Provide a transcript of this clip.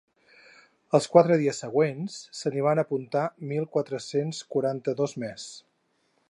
Els quatre dies següents se n’hi van apuntar mil quatre-cents quaranta-dos més.